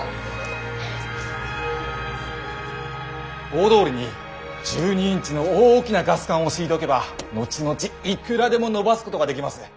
大通りに１２インチの大きなガス管を敷いておけば後々いくらでも延ばすことができます。